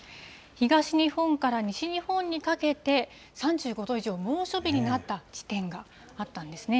東日本から西日本にかけて、３５度以上、猛暑日になった地点があったんですね。